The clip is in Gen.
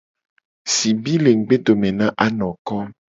Sibi le ngugbedome na anoko.